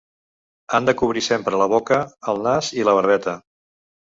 Han de cobrir sempre la boca, el nas i la barbeta.